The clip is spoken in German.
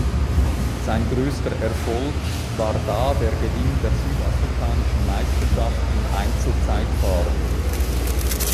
Sein größter Erfolg war da der Gewinn der südafrikanischen Meisterschaft im Einzelzeitfahren.